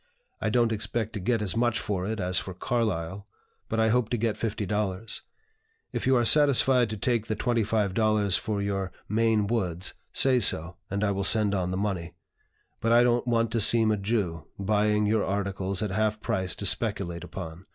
I don't expect to get as much for it as for Carlyle, but I hope to get $50. If you are satisfied to take the $25 for your 'Maine Woods,' say so, and I will send on the money; but I don't want to seem a Jew, buying your articles at half price to speculate upon.